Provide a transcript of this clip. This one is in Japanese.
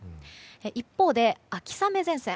一方で、秋雨前線。